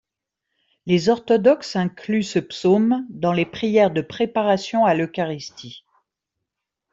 Les Orthodoxes incluent ce psaume dans les prières de préparation à l'Eucharistie.